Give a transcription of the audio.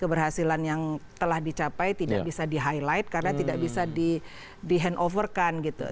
keberhasilan yang telah dicapai tidak bisa di highlight karena tidak bisa di handoverkan gitu